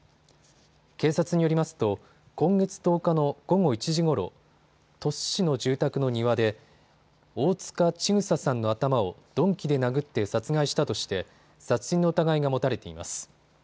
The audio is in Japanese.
警察によりますと今月１０日の午後１時ごろ、鳥栖市の住宅の庭で大塚千種さんの頭を鈍器で殴って殺害したとして殺人の疑いが持たれています。